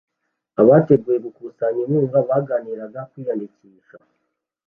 Abateguye gukusanya inkunga baganiraga kwiyandikisha